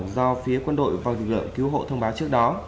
do phía quân đội và lực lượng cứu hộ thông báo trước đó